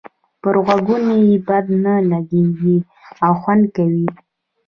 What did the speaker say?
پر غوږونو یې بد نه لګيږي او خوند کوي.